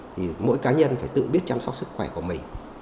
thì mỗi cá nhân phải tự biết chăm sóc sức khỏe của mình